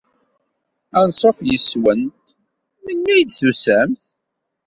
Anṣuf yes-went melmi ay d-tusamt.